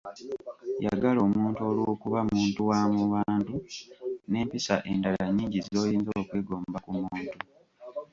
Yagala omuntu olw'okuba muntu wa mu bantu, n'empisa endala nnyingi z'oyinza okwegomba ku muntu.